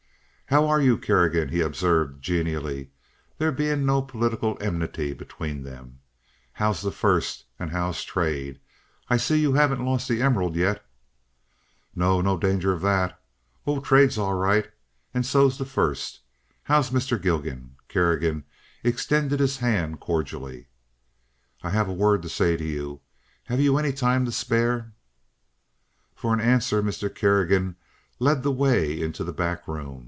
"How are you, Kerrigan?" he observed, genially, there being no political enmity between them. "How's the first, and how's trade? I see you haven't lost the emerald yet?" "No. No danger of that. Oh, trade's all right. And so's the first. How's Mr. Gilgan?" Kerrigan extended his hand cordially. "I have a word to say to you. Have you any time to spare?" For answer Mr. Kerrigan led the way into the back room.